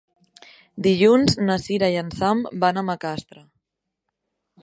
Dilluns na Sira i en Sam van a Macastre.